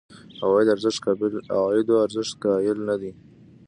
عوایدو ارزښت قایل نه دي.